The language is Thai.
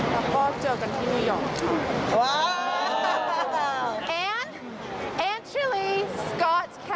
แล้วก็เจอกันที่นิวยอร์กค่ะ